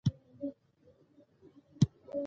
ایا زه باید سهار ورزش وکړم؟